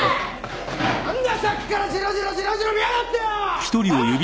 何ださっきからじろじろじろじろ見やがってよ！ああ！？